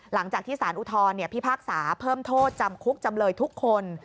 หลังจากที่สารอุทธรพิพากษาเพิ่มโทษจำคุกจำเลยทุกคน